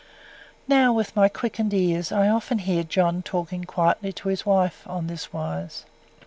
Now, with my quickened ears, I often heard John talking quietly to his wife on this wise.